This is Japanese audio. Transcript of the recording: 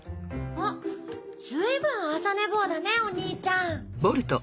あっずいぶん朝寝坊だねお兄ちゃん。